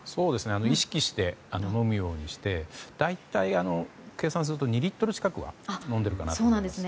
意識して飲むようにして大体計算すると２リットル近くは飲んでるかなと思います。